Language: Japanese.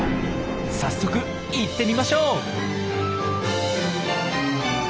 早速行ってみましょう。